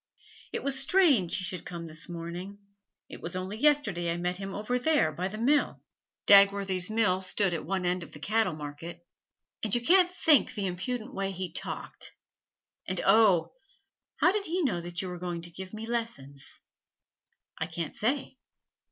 'It was strange he should come this morning. It was only yesterday I met him over there by the mill,' Dagworthy's mill stood at one end of the cattle market, 'and you can't think the impudent way he talked. And, oh, how did he know that you were going to give me lessons?' 'I can't say.'